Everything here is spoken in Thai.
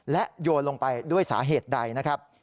โยนลงไปด้วยสาเหตุใดนะครับ